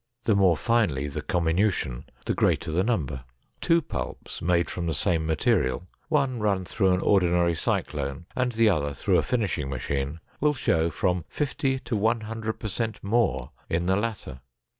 The more finely the comminution, the greater the number. Two pulps made from the same material, one run through an ordinary cyclone and the other through a finishing machine, will show from 50 to 100 per cent more in the latter.